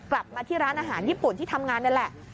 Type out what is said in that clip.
กลับมาที่ร้านอาหารญี่ปุ่นที่ทำงานนี่แหละ